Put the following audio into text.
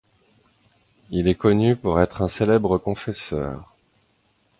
Il est connu pour être un célèbre confesseur.